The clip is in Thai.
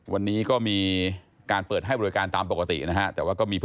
วันนี้ก็มีการเปิดให้บริการตามปกตินะฮะ